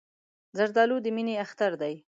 زردالو د مینې اختر دی.